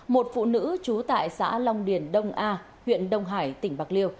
một phụ nữ trú tại xã long điền đông a huyện đông hải tỉnh bạc liêu